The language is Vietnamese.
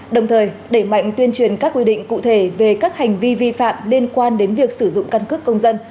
đồng thời đẩy mạnh tuyên truyền các quy định cụ thể về các hành vi vi phạm liên quan đến việc sử dụng căn cước công dân